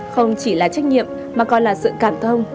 không chỉ là trách nhiệm mà còn là sự cảm thông